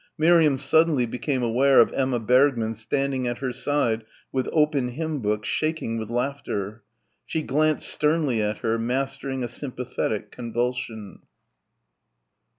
Miriam suddenly became aware of Emma Bergmann standing at her side with open hymn book shaking with laughter. She glanced sternly at her, mastering a sympathetic convulsion.